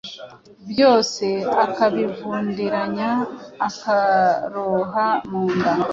Byose akabivundiranya akaroha mu nda.